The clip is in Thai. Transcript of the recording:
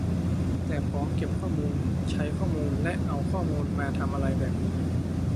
แต่พร้อมเก็บข้อมูล ใช้ข้อมูล และเอาข้อมูลมาทำอะไรแบบนี้